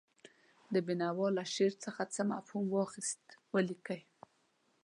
د بېنوا له شعر څخه څه مفهوم واخیست ولیکئ.